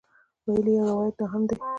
ویل یې یو روایت دا هم دی.